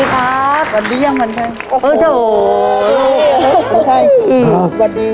ขอบคุณสำหรับเรื่องราวด้วยครับ